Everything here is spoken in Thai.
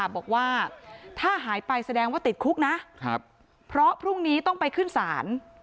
บอกว่าถ้าหายไปแสดงว่าติดคุกนะเพราะพรุ่งนี้ต้องไปขึ้นศาล